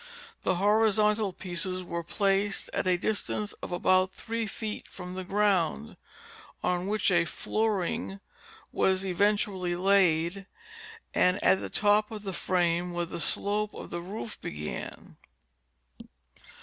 The horizontal pieces were placed at a distance of about three feet from the ground, on which a flooring was eventually laid, and at the top of the frame where the slope of the roof began.